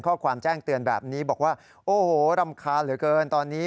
ข้อความแจ้งเตือนแบบนี้บอกว่าโอ้โหรำคาญเหลือเกินตอนนี้